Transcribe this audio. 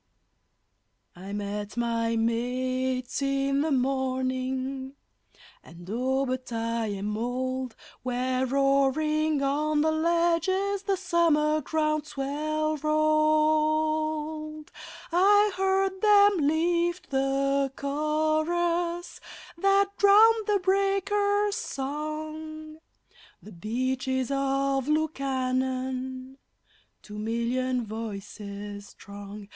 I met my mates in the morning (and, oh, but I am old!) Where roaring on the ledges the summer ground swell rolled; I heard them lift the chorus that drowned the breakers' song The Beaches of Lukannon two million voices strong.